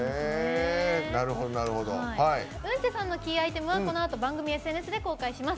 ウンチェさんのキーアイテムはこのあと番組ＳＮＳで公開します。